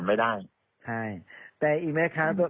เพราะว่าตอนแรกมีการพูดถึงนิติกรคือฝ่ายกฎหมาย